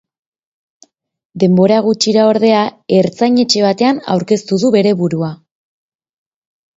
Denbora gutxira, ordea, ertzain-etxe batean aurkeztu du bere burua.